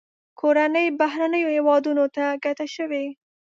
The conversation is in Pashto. کورنۍ بهرنیو هیوادونو ته کډه شوې.